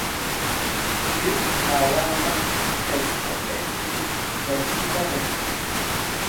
Tiu naŭatla teksto estis verkita dekstre.